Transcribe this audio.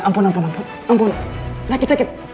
ampun ampun ampun ampun sakit sakit